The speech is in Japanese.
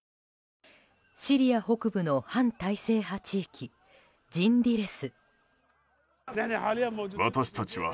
シリア北部の反体制派地域ジンディレス。